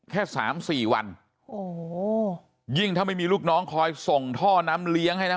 แค่สามสี่วันโอ้โหยิ่งถ้าไม่มีลูกน้องคอยส่งท่อน้ำเลี้ยงให้นะ